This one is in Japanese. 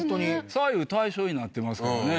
左右対称になってますからね